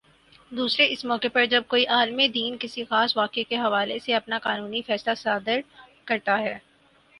دوسرے اس موقع پر جب کوئی عالمِ دین کسی خاص واقعے کے حوالے سے اپنا قانونی فیصلہ صادر کرتا ہے